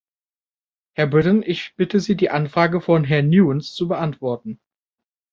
Herr Brittan, ich bitte Sie, die Anfrage von Herrn Newens zu beantworten.